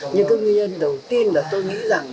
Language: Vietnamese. nhưng cái nguyên nhân đầu tiên là tôi nghĩ rằng